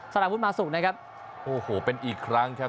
ศาลาพุทธมาศุกร์นะครับโอ้โหเป็นอีกครั้งแครบ